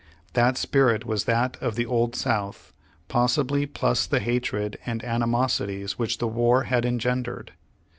That spirit was that of the old South, possibly plus the hatred and animosities which the war had engendered.